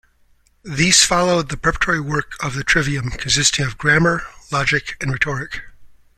These followed the preparatory work of the trivium, consisting of grammar, logic and rhetoric.